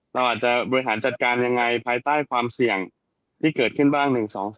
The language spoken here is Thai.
เราอาจจะบริหารจัดการยังไงภายใต้ความเสี่ยงที่เกิดขึ้นบ้าง๑๒๓